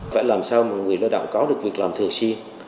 phải làm sao mà người lao động có được việc làm thường xuyên